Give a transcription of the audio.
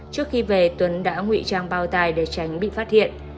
trước khi về tuấn đã ngụy trang bao tài để tránh bị phát hiện